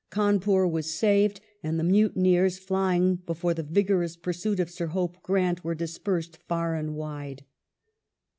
Cawnpur was saved, and the mutineers, flying before the vigorous pursuit of Sir Hope Grant, were dispersed far and wide.